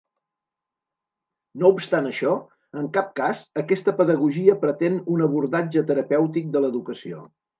No obstant això, en cap cas, aquesta pedagogia pretén un abordatge terapèutic de l'educació.